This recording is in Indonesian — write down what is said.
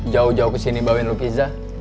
jauh jauh kesini bawain lo pizza